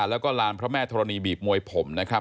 แล้วก็ลานพระแม่ธรณีบีบมวยผมนะครับ